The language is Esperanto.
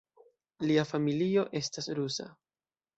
Lia familio estas rusa.